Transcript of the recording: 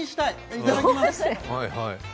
いただきます。